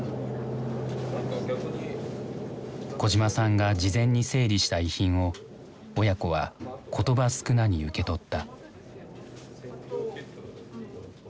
小島さんが事前に整理した遺品を親子は言葉少なに受け取った。